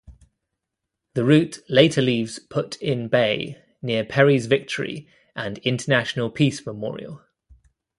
The route later leaves Put-in-Bay, near Perry's Victory and International Peace Memorial.